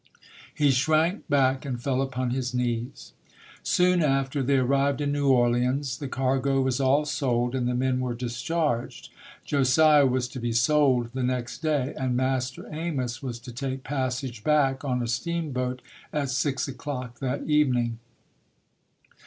He shrank back and fell upon his knees. Soon after they arrived in New Orleans, the cargo was all sold and the men were discharged. Josiah was to be sold the next day and Master Amos was to take passage back on a steamboat at six o'clock that evening.